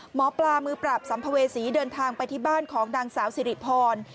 หมอปลามือปราบสัมภเวษีเดินทางไปที่บ้านของนางสาวสิริพร